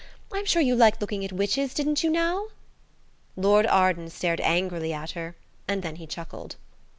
I'm sure you liked looking at witches, didn't you, now?" Lord Arden stared angrily at her, and then he chuckled.